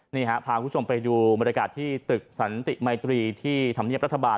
พาคุณผู้ชมไปดูบรรยากาศที่ตึกสันติมัยตรีที่ธรรมเนียบรัฐบาล